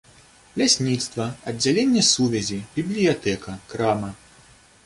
Лясніцтва, аддзяленне сувязі, бібліятэка, крама.